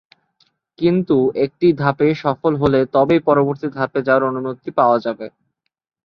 কিন্তু একটি ধাপে সফল হলে তবেই পরবর্তী ধাপে যাওয়ার অনুমতি পাওয়া যাবে।